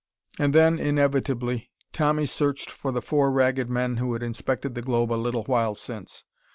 And then, inevitably, Tommy searched for the four Ragged Men who had inspected the globe a little while since.